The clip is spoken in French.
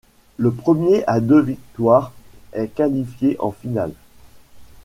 Le premier à deux victoires est qualifié en finale.